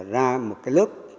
ra một lớp